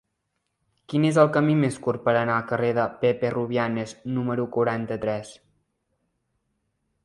Quin és el camí més curt per anar al carrer de Pepe Rubianes número quaranta-tres?